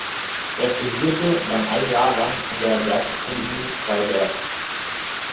Er studierte dann ein Jahr lang an der Bergakademie Freiberg.